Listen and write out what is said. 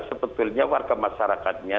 sebetulnya warga masyarakatnya